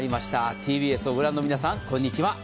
ＴＢＳをご覧の皆さん、こんにちは。